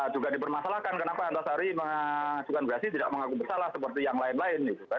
juga dipermasalahkan kenapa antasari mengajukan berarti tidak mengaku bersalah seperti yang lain lain